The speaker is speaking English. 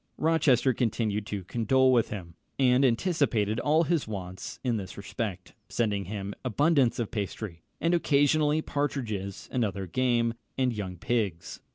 Rochester continued to condole with him, and anticipated all his wants in this respect, sending him abundance of pastry, and occasionally partridges and other game, and young pigs.